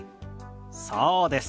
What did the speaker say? そうです。